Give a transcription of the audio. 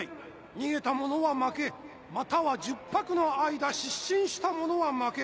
逃げた者は負けまたは十拍の間失神した者は負け。